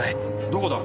どこだ？